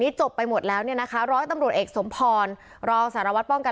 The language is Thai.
มีกล้วยติดอยู่ใต้ท้องเดี๋ยวพี่ขอบคุณ